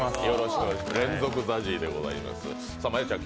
連続ＺＡＺＹでございます。